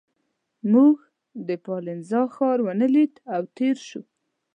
موږ د پالنزا ښار ونه لید او تېر شوو.